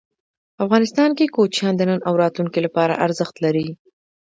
افغانستان کې کوچیان د نن او راتلونکي لپاره ارزښت لري.